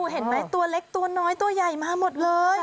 เห็นไหมตัวเล็กตัวน้อยตัวใหญ่มาหมดเลย